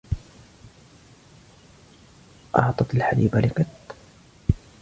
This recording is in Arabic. أعطت الحليب لقط.